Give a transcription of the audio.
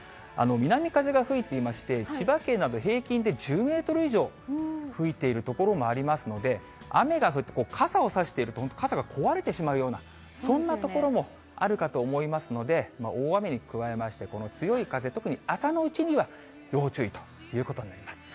南風が吹いていまして、千葉県など、平均で１０メートル以上吹いている所もありますので、雨が降って、傘を差していると、本当、傘が壊れてしまうような、そんな所もあるかと思いますので、大雨に加えまして、強い風、特に朝のうちには要注意ということになります。